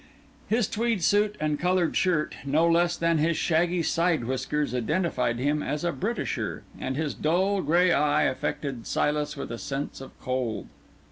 His tweed suit and coloured shirt, no less than his shaggy side whiskers, identified him as a Britisher, and his dull grey eye affected Silas with a sense of cold.